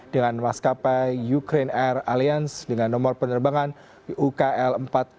dengan maskapai ukraine air alliance dengan nomor penerbangan ukl empat ribu dua puluh empat